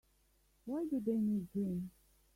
Why do they need gin?